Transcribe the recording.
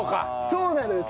そうなのよ。